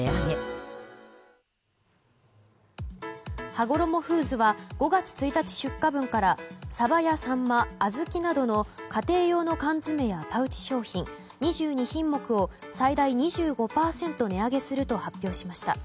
はごろもフーズは５月１日出荷分からサバやサンマ、あずきなどの家庭用の缶詰やパウチ商品、２２品目を最大２５％値上げすると発表しました。